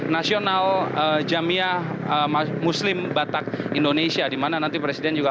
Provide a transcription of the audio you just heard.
nasional jamia muslim batak indonesia di mana nanti presiden juga